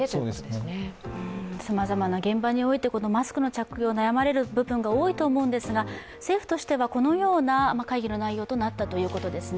さまざまな現場においてマスクの着用、悩まれる場面が多いと思うんですが政府としてはこのような会議の内容となったということですね。